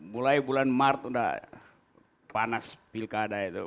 mulai bulan maret udah panas pilkada itu